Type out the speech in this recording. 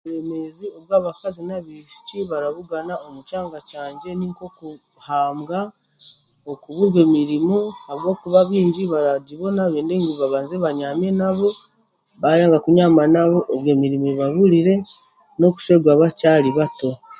Oburemezi obu abakaazi n'asbaishiki barabugana omu kyanga kyangye ni nk'okuhambwa, okuburwa emiriirmu ahabwokubwa baingi baragiboona bende ngu babanze banyaame nabo, bayaanga kunyaama nabo obwe emiriimu ebaburiire n'okushwerwa bakyari bato.